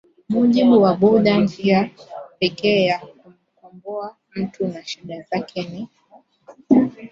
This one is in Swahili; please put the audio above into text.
mujibu wa Buddha njia pekee ya kumkomboa mtu na shida zake ni